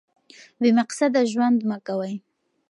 بې مقصده ژوند مه کوئ.